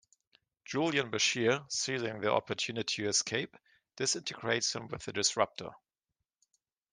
Julian Bashir, seizing the opportunity to escape, disintegrates him with a disruptor.